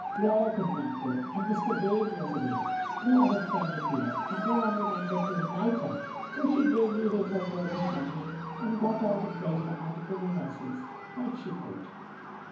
Laura could not go, and Mr. Vane was away; no other friend appeared, and no one remembered to invite her, so she bravely hid her girlish longing, and got all the pleasure out of the rehearsals that she could.